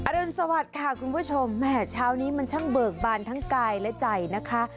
รุนสวัสดิ์ค่ะคุณผู้ชมแหมเช้านี้มันช่างเบิกบานทั้งกายและใจนะคะ